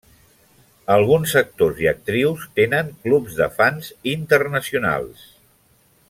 Alguns actors i actrius tenen clubs de fans internacionals.